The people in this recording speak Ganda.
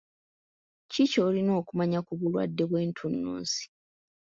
Ki ky'olina okumanya ku bulwadde bw'entunnunsi.